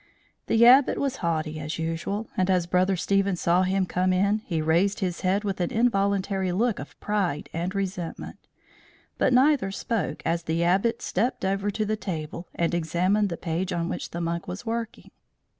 The Abbot was haughty, as usual, and, as Brother Stephen saw him come in, he raised his head with an involuntary look of pride and resentment; but neither spoke as the Abbot stepped over to the table, and examined the page on which the monk was working.